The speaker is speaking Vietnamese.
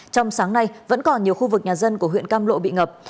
trong sáng nay vẫn còn nhiều khu vực nhà dân của huyện cam lộ bị ngập